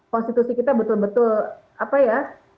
konstitusi kita betul betul apa ya